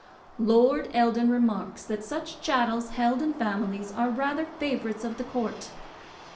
Lord Eldon remarks, that such chattels held in families are "rather favourites of the court."